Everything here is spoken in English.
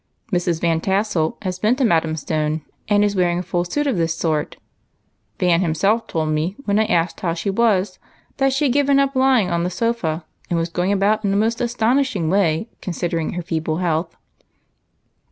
Mrs. Van Tassel has been to Madame Stone, and is wearing a full suit of this sort. Van himself told me, when I asked how she was, that she had given up lying on the sofa, and was going about in a most astonishing way, considering her feeble health."